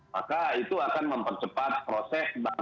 maka itu akan mempercepat proses bangsa ini